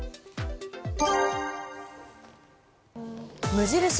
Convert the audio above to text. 無印